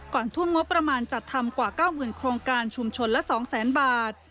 ทุ่มงบประมาณจัดทำกว่า๙๐๐โครงการชุมชนละ๒๐๐๐๐บาท